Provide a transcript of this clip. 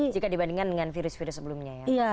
jika dibandingkan dengan virus virus sebelumnya ya